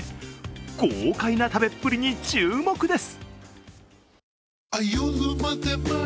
豪快な食べっぷりに注目です。